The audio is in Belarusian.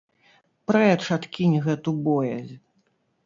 Прэч адкінь гэту боязь!